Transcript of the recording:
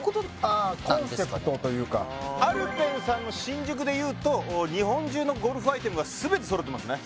ああコンセプトというかＡｌｐｅｎさんの新宿でいうと日本中のゴルフアイテムが全て揃ってますね